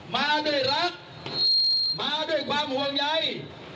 มาด้วยรักมาด้วยความห่วงใย